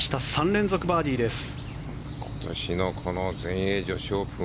３連続バーディーです。